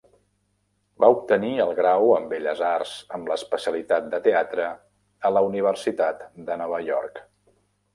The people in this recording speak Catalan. Va obtenir el Grau en Belles Arts amb l'especialitat de teatre a la Universitat de Nova York.